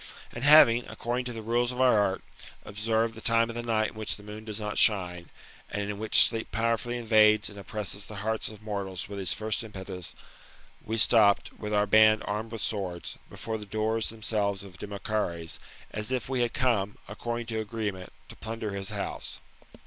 And having, according to the rules of our art, observed the time of night in which the moon does not shine, and in which sleep powerfully invades and oppresses the hearts of moHiis with his first impetus, we stopped, with our band armed with swords, before the doors themselves o' Demochares, as if we had come, according to agreement, to plunder his house.